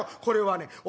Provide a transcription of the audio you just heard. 「これはね